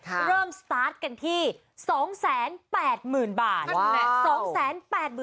เริ่มสตาร์ทกันที่๒๘๐๐๐บาท